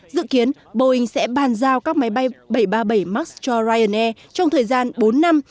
dự kiến boeing sẽ bàn giao các máy bay bảy trăm ba mươi bảy max cho ryanair trong thời gian bốn năm